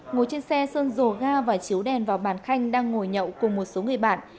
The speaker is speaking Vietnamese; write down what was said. ngồi trên xe sơn rồ ga và chiếu đèn vào bàn khanh đang ngồi nhậu cùng một số người bạn